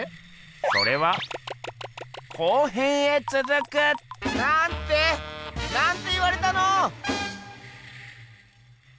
それは後編へつづく！なんて？なんて言われたの？